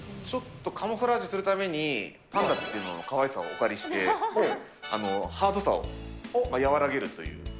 ちょっとカムフラージュするためにパンダっていうののかわいさをお借りして、ハードさを和らげるという。